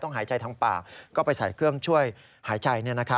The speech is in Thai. หายใจทางปากก็ไปใส่เครื่องช่วยหายใจ